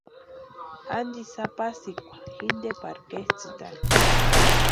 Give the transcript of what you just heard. ¿Antisï apasikwa jintee pari ketsʼïtani?